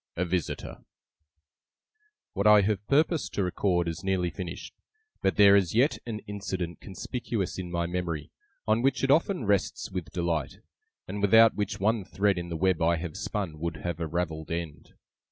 A VISITOR What I have purposed to record is nearly finished; but there is yet an incident conspicuous in my memory, on which it often rests with delight, and without which one thread in the web I have spun would have a ravelled end.